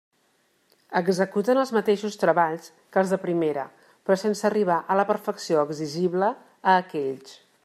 Executen els mateixos treballs que els de primera, però sense arribar a la perfecció exigible a aquells.